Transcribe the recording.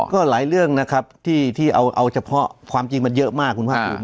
ก็หลายเรื่องนะครับที่เอาเฉพาะความจริงมันเยอะมากคุณภาคภูมิ